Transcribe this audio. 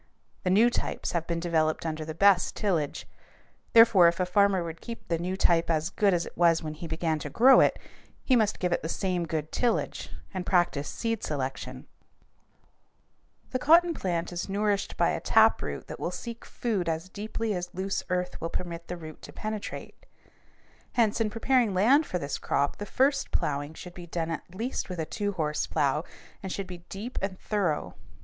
The new types have been developed under the best tillage. Therefore if a farmer would keep the new type as good as it was when he began to grow it, he must give it the same good tillage, and practice seed selection. [Illustration: FIG. 185. COTTON READY FOR PICKING] The cotton plant is nourished by a tap root that will seek food as deeply as loose earth will permit the root to penetrate; hence, in preparing land for this crop the first plowing should be done at least with a two horse plow and should be deep and thorough.